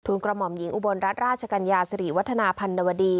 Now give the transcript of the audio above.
ทุนกรมอ่อมหญิงอุบลรัฐราชกัญญาสรีวัฒนาพันธวดี